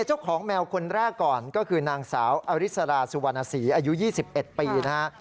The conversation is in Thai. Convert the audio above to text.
เจ้าของแมวคนแรกก่อนก็คือนางสาวอริสราสุวรรณศรีอายุ๒๑ปีนะฮะ